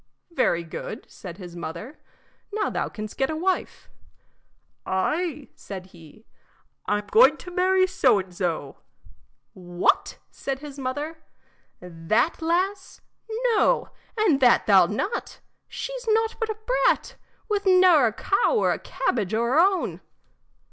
"Very good," said his mother, "now thou canst get a wife." "Ay," said he, "I'm going to marry so an' so." "What!" said his mother, "that lass? No, and that thou 'lt not. She's nought but a brat, with ne'er a cow or a cabbage o' her own."